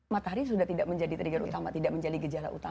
matahari sudah tidak menjadi trigger utama tidak menjadi gejala utama